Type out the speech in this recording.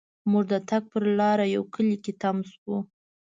مونږ د تګ پر لار یوه کلي کې تم شوو.